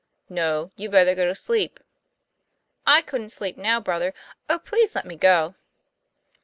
" No: you'd better go to sleep." " I couldn't sleep now, brother. Oh, please let me go."